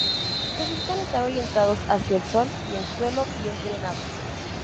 Necesitan estar orientados hacia el sol y en suelo bien drenado.